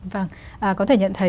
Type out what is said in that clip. vâng có thể nhận thấy